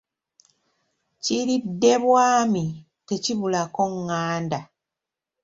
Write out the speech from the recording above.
Kiridde bwami, tekibulako nganda.